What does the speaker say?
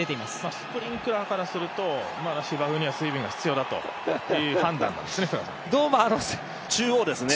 スプリンクラーからすると芝生には水分が必要だという判断なんでしょうね。